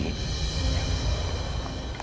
terima kasih bang oling